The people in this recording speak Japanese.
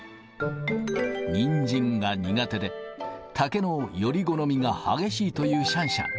にんじんが苦手で、竹のより好みが激しいというシャンシャン。